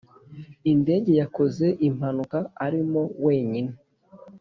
Indege yakoze impanuka arimo wenyine